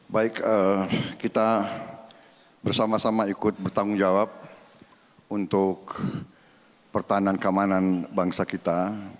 baik kita bersama sama ikut bertanggung jawab untuk pertahanan keamanan bangsa kita